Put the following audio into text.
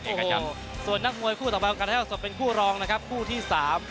ส่วนนักมวยคู่ต่อไปของการท่าสดเป็นคู่รองนะครับคู่ที่สาม